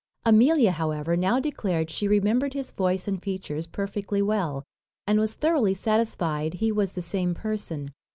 Amelia, however, now declared she remembered his voice and features perfectly well, and was thoroughly satisfied he was the same person.